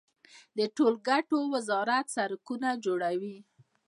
د ټولګټو وزارت سړکونه جوړوي